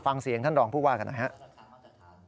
ฟังเสียงท่านรองผู้ว่ากันหน่อยครับ